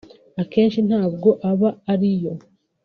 akenshi ntabwo aba ari yo